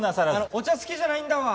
お茶好きじゃないんだわ！